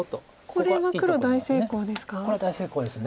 これは大成功です